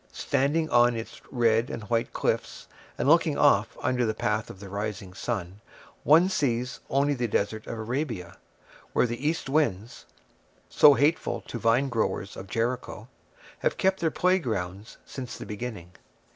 Standing on its red and white cliffs, and looking off under the path of the rising sun, one sees only the Desert of Arabia, where the east winds, so hateful to vinegrowers of Jericho, have kept their playgrounds since the beginning.